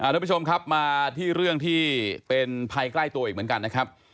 ทุกผู้ชมครับมาที่เรื่องที่เป็นภัยใกล้ตัวอีกเหมือนกันนะครับ